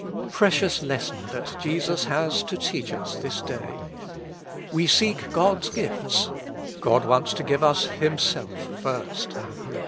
Precious lesson that Jesus has to teach us this day. We seek God's gifts ; God wants to give us Himself first.